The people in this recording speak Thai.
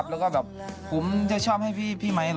เพราะว่าใจแอบในเจ้า